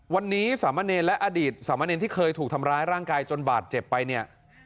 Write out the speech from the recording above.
วันนี้สามเณรและอดีตสามเณรที่เคยถูกทำร้ายร่างกายจนบาดเจ็บไปเนี่ย